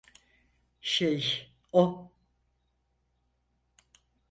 Şey, o…